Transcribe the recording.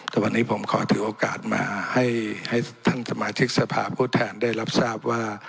แต่วันนี้ผมขอถือโอกาสมาให้ท่านสมาชิกสภาพผู้แทนได้รับทราบว่า